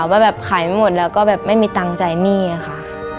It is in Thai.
ว่าแบบขายไม่หมดแล้วก็แบบไม่มีตังค์จ่ายหนี้อะค่ะ